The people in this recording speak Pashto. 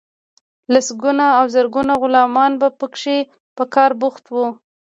لسګونه او زرګونه غلامان به پکې په کار بوخت وو.